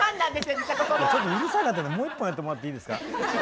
ちょっとうるさかったからもう一本やってもらっていいですか？